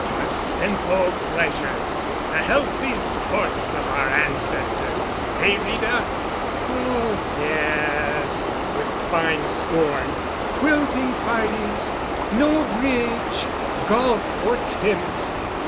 "The simple pleasures—the healthy sports of our ancestors! Eh, Rita?" "Oh, yes," with fine scorn, "quilting parties! No bridge, golf or tennis.